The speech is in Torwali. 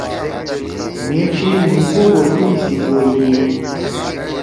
مھی ڇھی مھی بوپ او یئی سی بوئی ہی۔